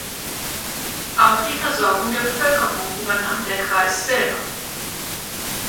Auch die Versorgung der Bevölkerung übernahm der Kreis selber.